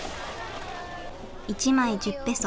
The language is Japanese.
１枚１０ペソ